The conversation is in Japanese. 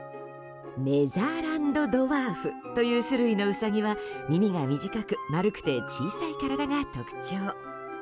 ネザーランドドワーフという種類のウサギは耳が短く丸くて小さい体が特徴。